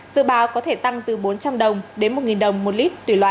dự báo có thể tăng từ bốn trăm linh đồng đến một đồng một lít tùy loại